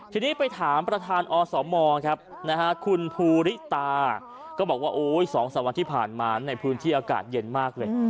ทีนี้ไปถามประทานอสมคุณภูริตา